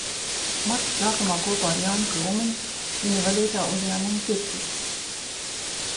Marta sākumā kopā ar Jāni Krūmiņu viņa vadītā uzņēmuma pirtī.